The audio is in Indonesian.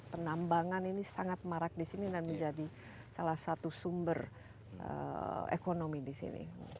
penambangan ini sangat marak di sini dan menjadi salah satu sumber ekonomi di sini